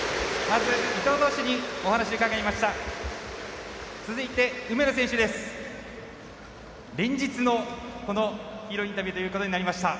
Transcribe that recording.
まず伊藤投手にお話を伺いました。